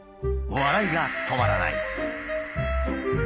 笑いが止まらない。